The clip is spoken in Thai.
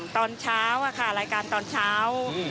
ตอนเช้ารายการตอนเช้า